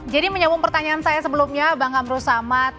jadi menyambung pertanyaan saya sebelumnya bang amro samad